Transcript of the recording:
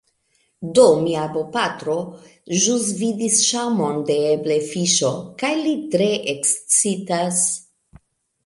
Do, mia bopatro ĵus vidis ŝaŭmon de eble fiŝo kaj li tre ekscitas